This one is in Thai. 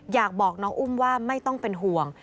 อยากบอกน้องอุ้มว่าไม่ต้องเป็นห่วง